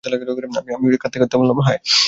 আমি কাঁদতে কাঁদতে বললাম, হয়।